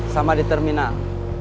sama di terminal